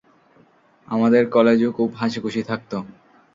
আমাদের কলেজে ও খুব হাশি-খুশি থাকত।